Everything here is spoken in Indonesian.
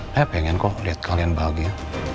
saya pengen kok lihat kalian bahagia